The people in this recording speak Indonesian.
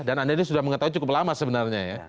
dan anda ini sudah mengetahui cukup lama sebenarnya ya